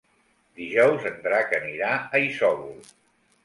Dijous en Drac anirà a Isòvol.